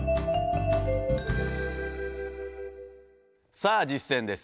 さあ実践です。